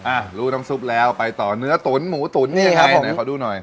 อ่ะรู้น้ำซุปแล้วไปต่อเนื้อตุ๋นหมูตุ๋นนี่ยังไงนะขอดูหน่อย